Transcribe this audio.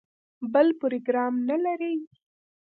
بل پروګرام نه لري.